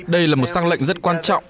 đây là một xác lệnh rất quan trọng